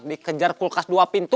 dikejar kulkas dua pintu